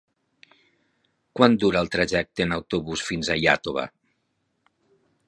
Quant dura el trajecte en autobús fins a Iàtova?